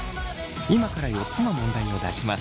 今から４つの問題を出します。